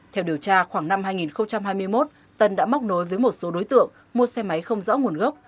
theo điều tra khoảng năm hai nghìn hai mươi một tân đã móc nối với một số đối tượng mua xe máy không rõ nguồn gốc